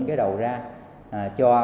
các doanh nghiệp